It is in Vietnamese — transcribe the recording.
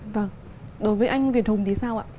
vâng đối với anh việt hùng thì sao ạ